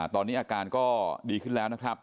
ตอนนี้อาการก็ดีขึ้นแล้วนะครับ